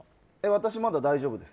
私、まだ大丈夫ですよ。